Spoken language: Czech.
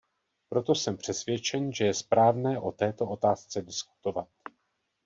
Proto jsem přesvědčen, že je správné o této otázce diskutovat.